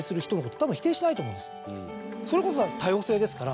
それこそが多様性ですから。